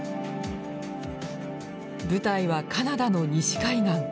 舞台はカナダの西海岸。